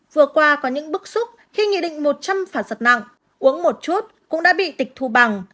vừa qua có những bức xúc khi nghị định một trăm linh phải giật nặng uống một chút cũng đã bị tịch thu bằng